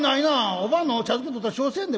おばんのお茶漬け取ったらしょうちせんで。